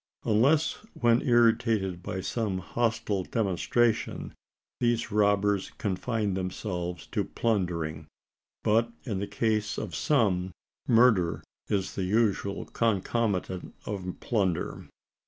Unless when irritated by some hostile demonstration, these robbers confine themselves to plundering: but in the case of some, murder is the usual concomitant of plunder.